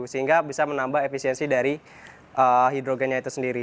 sehingga bisa menambah efisiensi dari air